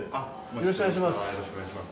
よろしくお願いします。